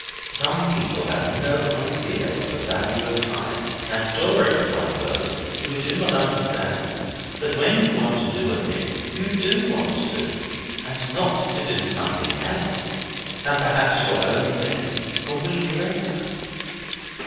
Some people have no idea of the value of time. And Dora is one of those who do not understand that when you want to do a thing you do want to, and not to do something else, and perhaps your own thing, a week later.